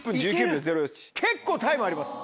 結構タイムあります。